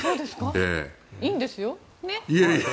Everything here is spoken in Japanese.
いいんですよ、ねっ。